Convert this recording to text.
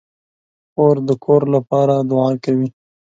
خور د کور لپاره دعا کوي.